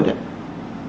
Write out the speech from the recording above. bản chất xã hội